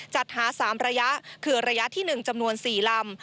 จัดหา๓ระยะคือระยะที่๑จำนวน๔ลำ